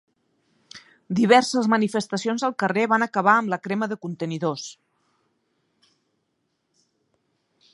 Diverses manifestacions al carrer van acabar amb la crema de contenidors.